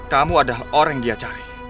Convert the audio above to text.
kamu adalah orang yang dia cari